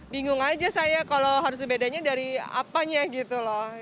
bingung aja saya kalau harus bedanya dari apanya gitu loh